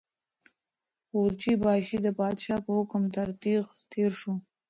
قورچي باشي د پادشاه په حکم تر تېغ تېر شو.